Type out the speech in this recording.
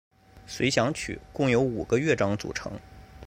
随想曲共有五个乐章组成。